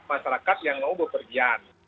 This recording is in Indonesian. masyarakat yang mau berpergian